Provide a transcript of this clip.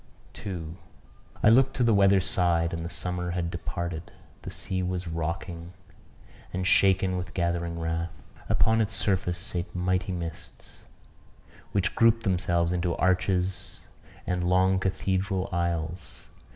2. I looked to the weather side, and the summer had departed. The sea was rocking, and shaken with gathering wrath. Upon its surface sate mighty mists, which grouped themselves into arches and long cathedral aisles.